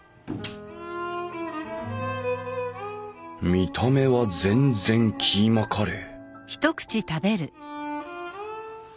見た目は全然キーマカレー